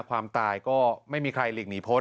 ความตายก็ไม่มีใครหลีกหนีพ้น